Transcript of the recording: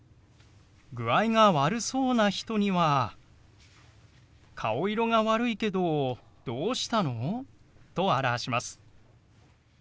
具合が悪そうな人には「顔色が悪いけどどうしたの？」と表します。